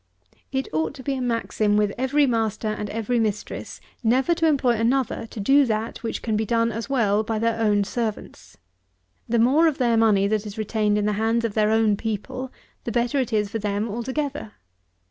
It ought to be a maxim with every master and every mistress, never to employ another to do that which can be done as well by their own servants. The more of their money that is retained in the hands of their own people, the better it is for them altogether.